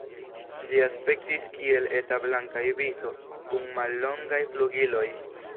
Ĝi aspektis kiel eta Blanka ibiso kun mallongaj flugiloj.